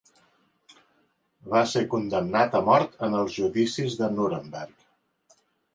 Va ser condemnat a mort en els Judicis de Nuremberg.